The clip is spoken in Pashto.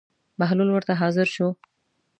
بهلول ورته حاضر شو.